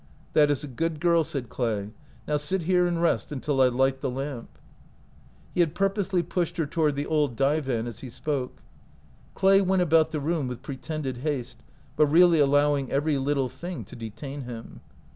"That is a good girl," said Clay; "now sit here and rest until I light the lamp." He had purposely pushed her toward the old divan as he spoke. Clay went about the room with pretended haste, but really allowing every little thing to detain him.